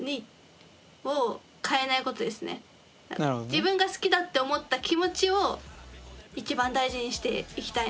自分が好きだって思った気持ちを一番大事にしていきたいなと思いました。